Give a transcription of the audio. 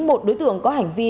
một đối tượng có hành vi